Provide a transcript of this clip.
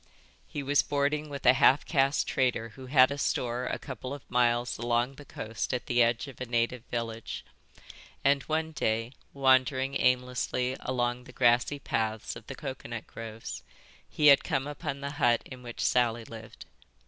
He was boarding with a half caste trader who had a store a couple of miles along the coast at the edge of a native village; and one day, wandering aimlessly along the grassy paths of the coconut groves, he had come upon the hut in which Sally lived.